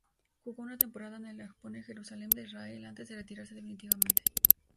Jugó una temporada en el Hapoel Jerusalem de Israel antes de retirarse definitivamente.